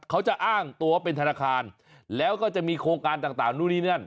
เขาจะอ้างตัวเป็นธนาคารแล้วก็จะมีโครงการต่างนู่นนี่นั่น